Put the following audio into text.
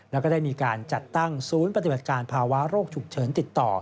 แล้วก็ได้มีการจัดตั้งศูนย์ปฏิบัติการภาวะโรคฉุกเฉินติดต่อ